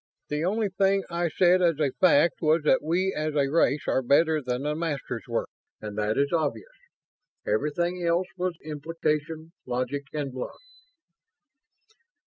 The only thing I said as a fact was that we as a race are better than the Masters were, and that is obvious. Everything else was implication, logic, and bluff."